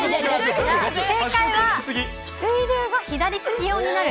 正解は、水流が左利き用になる。